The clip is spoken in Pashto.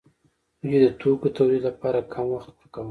دوی د توکو تولید لپاره کم وخت ورکاوه.